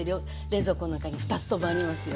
冷蔵庫の中に２つともありますよ。